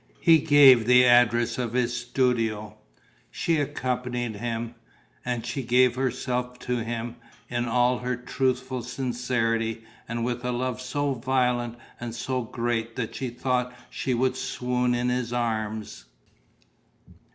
He gave the address of his studio. She accompanied him. And she gave herself to him, in all her truthful sincerity and with a love so violent and so great that she thought she would swoon in his arms.